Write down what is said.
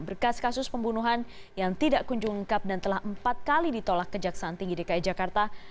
berkas kasus pembunuhan yang tidak kunjung lengkap dan telah empat kali ditolak kejaksaan tinggi dki jakarta